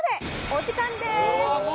お時間です。